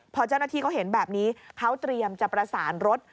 พอเจ้าหน้าที่เขาเห็นแบบนี้เขาเตรียมจะประสานรถ